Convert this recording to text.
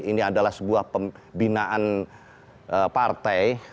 ini adalah sebuah pembinaan partai